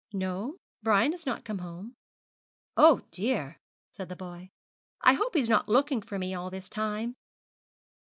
'No, Brian has not come home.' 'Oh, dear,' said the boy; 'I hope he's not looking for me all this time.'